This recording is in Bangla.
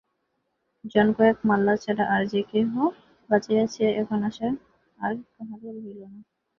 জনকয়েক মাল্লা ছাড়া আর-যে কেহ বাঁচিয়াছে, এমন আশা আর কাহারো রহিল না।